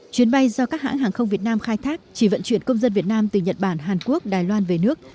chuyến bay do các hãng hàng không việt nam khai thác chỉ vận chuyển công dân việt nam từ nhật bản hàn quốc đài loan về nước